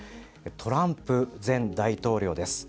トランプ前大統領です。